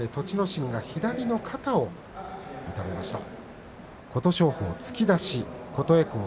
心が左の肩を痛めました。